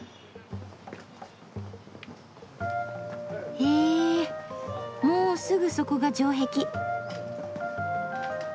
へぇもうすぐそこが城壁。